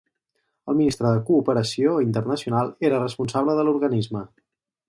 El Ministre de Cooperació Internacional era responsable de l'organisme.